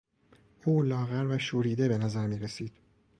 او لاغر و شوریده به نظر میرسید.